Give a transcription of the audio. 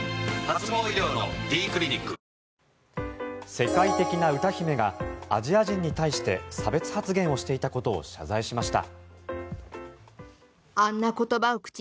世界的な歌姫がアジア人に対して差別発言をしていたことを謝罪しました。